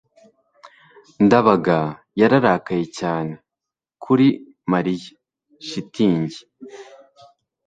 ndabaga yararakaye cyane kuri mariya. (shitingi